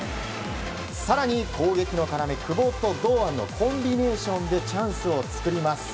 更に攻撃の要、久保と堂安のコンビネーションでチャンスを作ります。